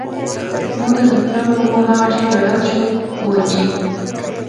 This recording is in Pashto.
ماته د خوشال بابا هغه شعر راياد شو وايي چې